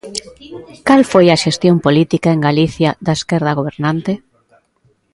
¿Cal foi a xestión política en Galicia da esquerda gobernante?